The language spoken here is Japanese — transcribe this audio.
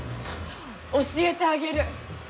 教えてあげる。